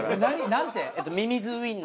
何て？